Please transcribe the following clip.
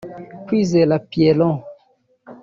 Kwizera Pierrot